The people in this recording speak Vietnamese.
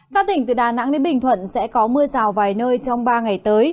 các tỉnh từ đà nẵng đến bình thuận sẽ có mưa rào vài nơi trong ba ngày tới